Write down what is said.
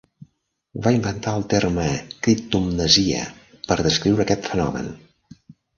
Va inventar el terme criptomnesia per descriure aquest fenomen.